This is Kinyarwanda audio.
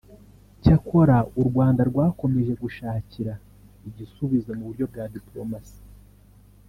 Cyakora u Rwanda rwakomeje gushakira igisubizo mu buryo bwa diporomasi